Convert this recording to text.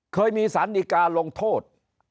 เคยมีศาลดีการ์ลงโทษ